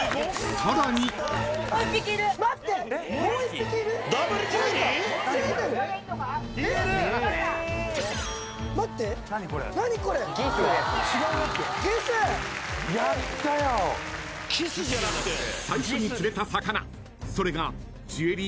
［最初に釣れた魚それが］